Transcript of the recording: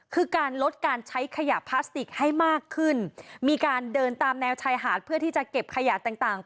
คือการลดการใช้ขยะพลาสติกให้มากขึ้นมีการเดินตามแนวชายหาดเพื่อที่จะเก็บขยะต่างต่าง